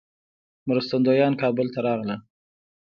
مرستندویان کابل ته راغلل.